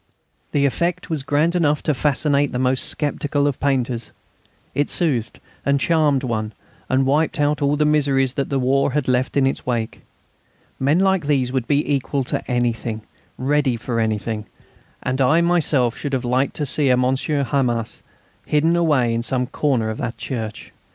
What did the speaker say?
The effect was grand enough to fascinate the most sceptical of painters; it soothed and charmed one and wiped out all the miseries that the war had left in its wake. Men like these would be equal to anything, ready for anything; and I myself should much have liked to see a Monsieur Homais hidden away in some corner of that church.